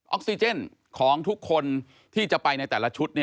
ออกซิเจนของทุกคนที่จะไปในแต่ละชุด